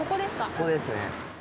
ここですね。